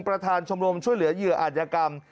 ประธานชมรมช่วยเหลือเหยื่ออาจยกรรม